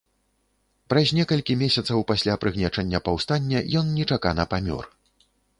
Праз некалькі месяцаў пасля прыгнечання паўстання ён нечакана памёр.